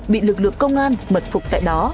bị lực lượng công an mật phục tại đó